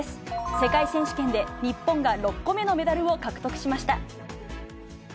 世界選手権で日本が６個目のメダルを獲得しました。